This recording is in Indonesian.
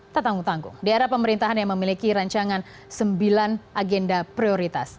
tetanggung tanggung daerah pemerintahan yang memiliki rancangan sembilan agenda prioritas